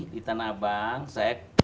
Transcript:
di tanah bangsek